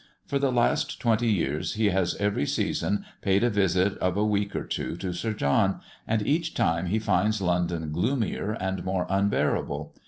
For the last twenty years he has every season paid a visit of a week or two to Sir John, and each time he finds London gloomier and more unbearable.